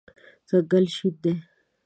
ځنګل شین دی